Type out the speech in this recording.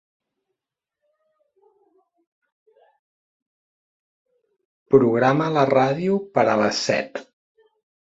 Programa la ràdio per a les set.